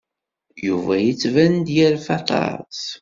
Yuba yettban-d yerfa aṭas.